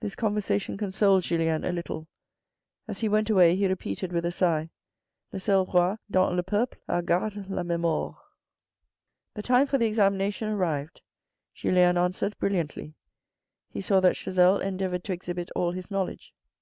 This conversation consoled Julien a little. As he went away, he repeated with a sigh :" Le seul roi dont le peuple a garde la memore." The time for the examination arrived. Julien answered brilliantly. He saw that Chazel endeavoured to exhibit all his knowledge.